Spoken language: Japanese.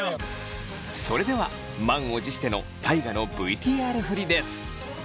それでは満を持しての大我のＶＴＲ振りです。